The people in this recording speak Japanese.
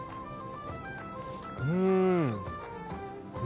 うん！